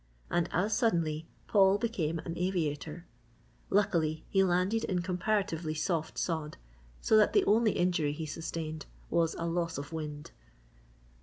And as suddenly, Paul became an aviator. Luckily, he landed in comparatively soft sod so that the only injury he sustained was a loss of wind.